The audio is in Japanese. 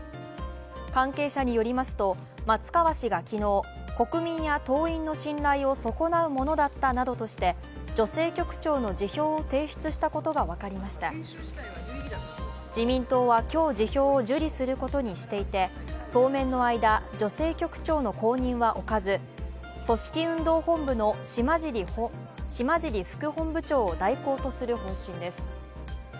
関係者によりますと松川氏が昨日、国民や党員の信頼を損なうものだったなどとして女性局長の辞表を提出したことが分かりました自民党は今日、辞表を受理することにしていて、当面の間、女性局長の後任は置かず組織運動本部の島尻副本部長を代行とする方針です。